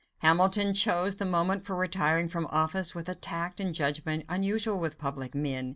Hamilton chose the moment for retiring from office with a tact and judgment unusual with public men.